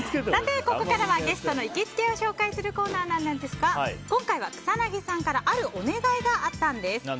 ここからはゲストの行きつけを紹介するコーナーですが今回は草なぎさんからあるお願いがあったんです。